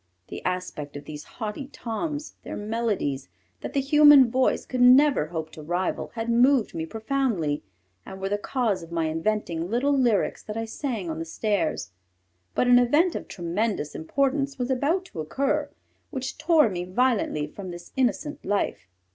The aspect of these haughty Toms, their melodies, that the human voice could never hope to rival, had moved me profoundly, and were the cause of my inventing little lyrics that I sang on the stairs. But an event of tremendous importance was about to occur which tore me violently from this innocent life.